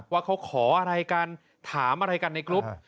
ว่าเขาขออะไรกันถามอะไรกันในกรุ๊ป